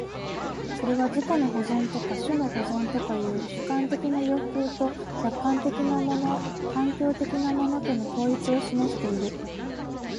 それは自己の保存とか種の保存とかという主観的な欲求と客観的なもの環境的なものとの統一を示している。